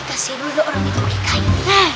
kasih dulu orang itu pakai kayu